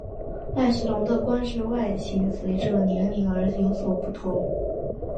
赖氏龙的冠饰外形随者年龄而有所不同。